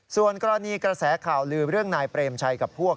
ส่วนกรณีกระแสข่าวลือเรื่องนายเปรมชัยกับพวก